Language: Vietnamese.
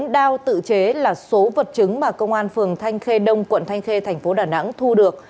bốn đao tự chế là số vật chứng mà công an phường thanh khê đông quận thanh khê thành phố đà nẵng thu được